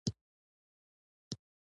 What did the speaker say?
د صنعتي کېدو په لومړۍ لیکه کې ودرېد.